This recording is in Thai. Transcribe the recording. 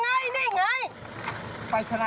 ไปเธอฟังไปแจ้ง